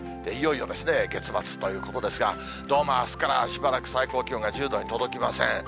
いよいよですね、月末ということですが、どうもあすからしばらく最高気温が１０度に届きません。